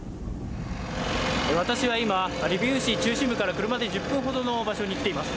私は今、リビウ市中心部から車で１０分ほどの場所に来ています。